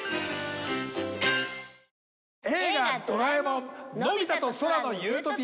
『映画ドラえもんのび太と空の理想郷』